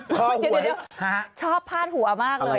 คอหวยฮะอะไรนะครับผมชอบพาดหัวมากเลย